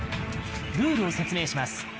ルールを説明します。